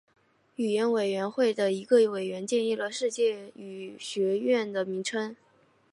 语言委员会的一个委员建议了世界语学院的名称。